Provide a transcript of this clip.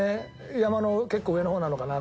山の結構上の方なのかなと。